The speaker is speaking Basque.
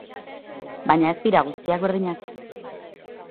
Baina ez dira guztiak berdinak.